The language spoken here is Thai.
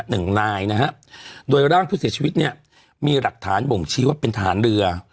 หนึ่งนายนะฮะโดยร่างผู้เสียชีวิตเนี่ยมีหลักฐานบ่งชี้ว่าเป็นทหารเรือ